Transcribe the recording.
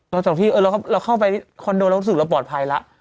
ต่อจากที่เออเราเราเข้าไปคอนโดเรารู้สึกเราปลอดภัยล่ะ